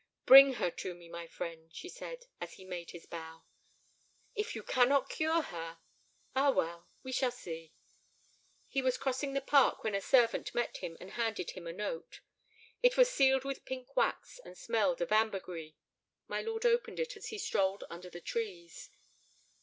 "Bring her to me, my friend," she said, as he made his bow. "If you cannot cure her—" "Ah, well—we shall see." He was crossing the park when a servant met him and handed him a note. It was sealed with pink wax and smelled of ambergris. My lord opened it as he strolled under the trees.